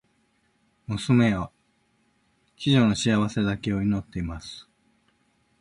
娘へ、貴女の幸せだけを祈っています。